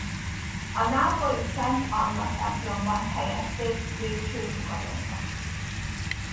A nápolyi Szent Anna templomban helyezték végső nyugalomra.